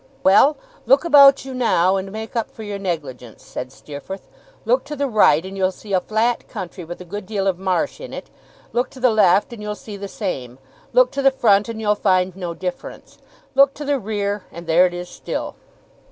'Well! look about you now, and make up for your negligence,' said Steerforth. 'Look to the right, and you'll see a flat country, with a good deal of marsh in it; look to the left, and you'll see the same. Look to the front, and you'll find no difference; look to the rear, and there it is still.